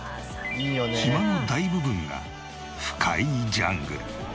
島の大部分が深いジャングル。